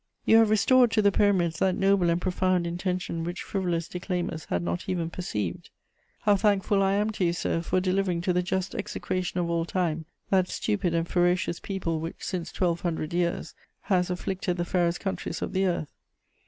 "You have restored to the Pyramids that noble and profound intention which frivolous declaimers had not even perceived. "How thankful I am to you, Sir, for delivering to the just execration of all time that stupid and ferocious people which, since twelve hundred years, has afflicted the fairest countries of the earth!